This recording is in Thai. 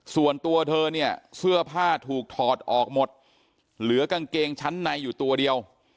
ส่วนตัวเธอเนี่ยเสื้อผ้าถูกถอดออกหมดเหลือกางเกงชั้นในอยู่ตัวเดียว